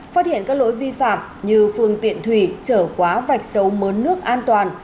phát hiện các lối vi phạm như phương tiện thủy trở quá vạch dấu mớ nước an toàn